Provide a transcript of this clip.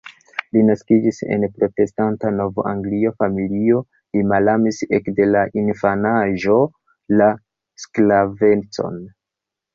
Li naskiĝis en protestanta nov-anglia familio, li malamis ekde la infanaĝo la sklavecon.